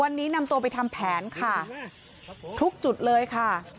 วันนี้นำตัวไปทำแผนค่ะทุกจุดเลยค่ะ